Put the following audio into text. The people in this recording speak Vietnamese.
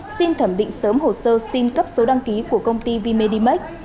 xin thẩm định sớm hồ sơ xin cấp số đăng ký của công ty v medimax